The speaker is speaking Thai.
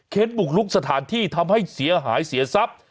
บุกลุกสถานที่ทำให้เสียหายเสียทรัพย์